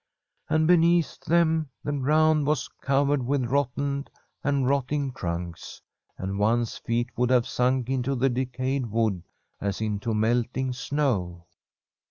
And beneath them the eround was covered with rotten and rotting trunks, and one's feet would have sunk into the decayed wood as into melting snow.